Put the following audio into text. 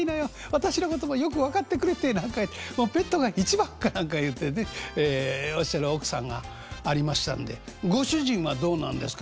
私のこともよく分かってくれてもうペットが一番！」か何かいうてねおっしゃる奥さんがありましたんで「ご主人はどうなんですか？」。